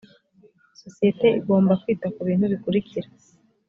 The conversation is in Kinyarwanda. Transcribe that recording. sosiyete igomba kwita ku bintu bikurikira